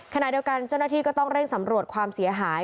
ขณะเดียวกันเจ้าหน้าที่ก็ต้องเร่งสำรวจความเสียหาย